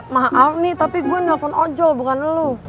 maaf nih tapi gue nelfon ojol bukan ngeluh